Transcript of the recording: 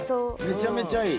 めちゃめちゃいい。